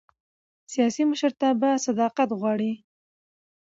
سیاسي مشرتابه صداقت غواړي